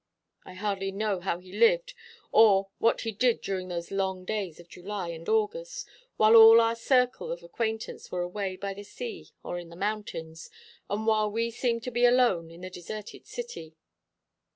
I hardly know how he lived or what he did during those long days of July and August, while all our circle of acquaintance were away by the sea or in the mountains, and while we seemed to be alone in a deserted city.